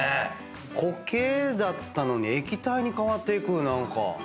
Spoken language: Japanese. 固形だったのに液体に変わっていく何か。